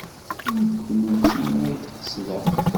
Ur d kennemti ay d-qesdeɣ.